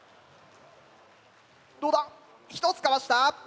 どうだ１つかわした。